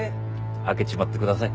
開けちまってください。